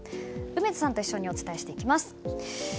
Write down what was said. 梅津さんと一緒にお伝えしていきます。